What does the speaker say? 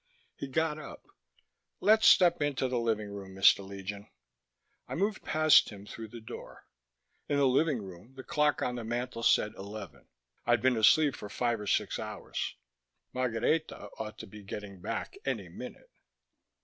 He got up. "Let's step into the living room, Mr. Legion." I moved past him through the door. In the living room the clock on the mantel said eleven. I'd been asleep for five or six hours. Margareta ought to be getting back any minute....